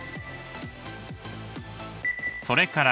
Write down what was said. それから